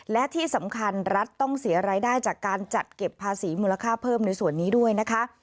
และที่สำคัญรัฐต้องเสียรายได้จากการจัดเก็บภาษีมูลค่าเพิ่มในส่วนนี้ด้วยนะคะ